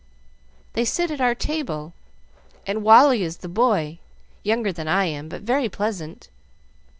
They sit at our table, and Wally is the boy, younger than I am, but very pleasant.